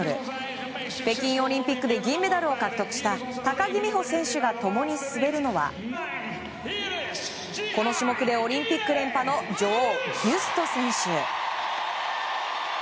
北京オリンピックで銀メダルを獲得した高木美帆選手が共に滑るのはこの種目でオリンピック連覇の女王ビュスト選手。